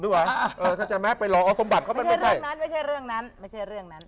ไม่ใช่เรื่องนั้นไม่ใช่เรื่องนั้นไม่ใช่เรื่องนั้น